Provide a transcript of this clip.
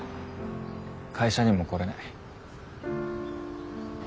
会社にも来れない。